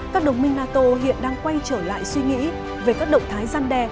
các đồng minh nato hiện đang quay trở lại suy nghĩ về các động thái gian đe